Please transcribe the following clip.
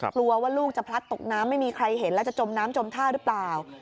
กลัวว่าลูกจะพลัดตกน้ำไม่มีใครเห็นแล้วจะจมน้ำจมท่าหรือเปล่า